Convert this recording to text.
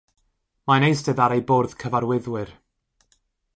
Mae'n eistedd ar eu bwrdd cyfarwyddwyr.